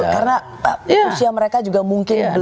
karena usia mereka juga mungkin belum terbiasa